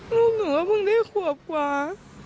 ลูกหนูก็เพิ่งได้ขวบกว่า